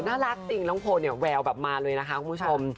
น่ารักจริงน้องโพลเนี่ยแววแบบมาเลยนะคะคุณผู้ชม